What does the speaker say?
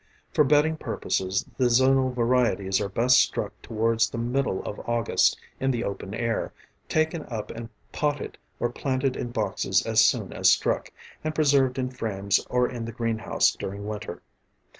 For bedding purposes the zonal varieties are best struck towards the middle of August in the open air, taken up and potted or planted in boxes as soon as struck, and preserved in frames or in the greenhouse during winter.